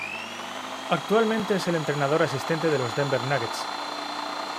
Actualmente es el entrenador asistente de los Denver Nuggets.